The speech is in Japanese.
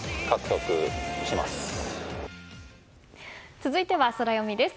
続いてはソラよみです。